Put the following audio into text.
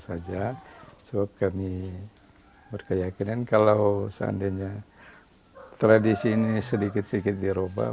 sebelumnya kami berpikir bahwa tradisi ini akan berubah